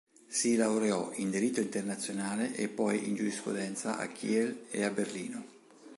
Si laureò in diritto internazionale e poi in giurisprudenza a Kiel e a Berlino.